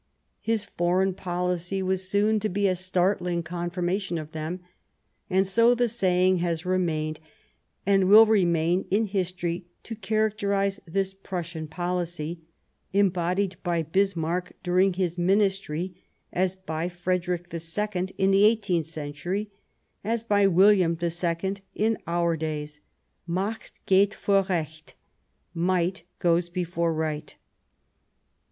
His foreign policy 63 Bismarck y— '— was soon to be a startling confirmation of them. And so the saying has remained, and will remain in history to characterize this Prussian policy, embodied by Bismarck during his Ministry, as by Frederick II in the eighteenth century, as by William II in our days: " Macht geht vor Recht" (Might goes before right).